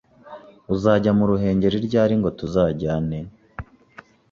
Uzajya mu Ruhengeri ryari ngo tuzajyane?